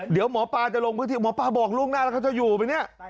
เดี๋ยวหมอปลาจะลงพื้นที่หมอปลาบอกล่วงหน้าแล้วเขาจะอยู่ไหมเนี่ย